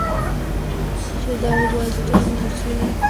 Cedar Walton nació y pasó los primeros años de su vida en Dallas, Tejas.